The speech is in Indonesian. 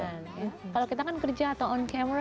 kalau kita kan kerja atau on cammer